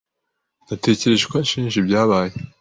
Natekereje ko anshinja ibyabaye.